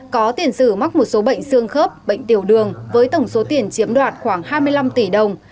có tiền sử mắc một số bệnh xương khớp bệnh tiểu đường với tổng số tiền chiếm đoạt khoảng hai mươi năm tỷ đồng